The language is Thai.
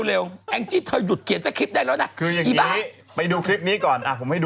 แต่นี่ดีกว่าไม่ได้ที่ฉันอ่านผิด